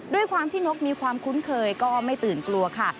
ด้วยความที่นกมีความคุ้นเคยก็ไม่ตื่นกลัวค่ะ